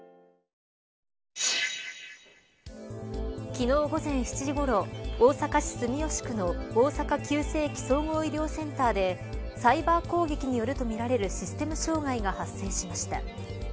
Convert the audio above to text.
昨日、午前７時ごろ大阪市住吉区の大阪急性期・総合医療センターでサイバー攻撃によるとみられるシステム障害が発生しました。